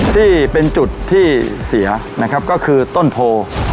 ที่เป็นจุดที่เสียนะครับก็คือต้นโพ